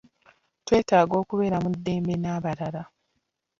Twetaaga okubeera mu ddembe n'abalala.